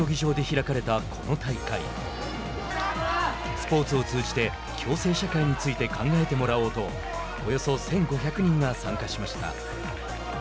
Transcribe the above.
スポーツを通じて共生社会について考えてもらおうとおよそ１５００人が参加しました。